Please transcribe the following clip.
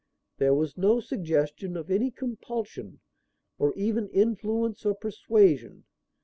There was no suggestion of any compulsion or even influence or persuasion.